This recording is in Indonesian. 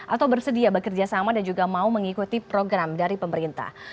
atau bersedia bekerja sama dan juga mau mengikuti program dari pemerintah